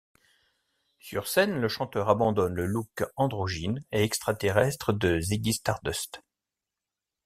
Sur scène, le chanteur abandonne le look androgyne et extra-terrestre de Ziggy Stardust.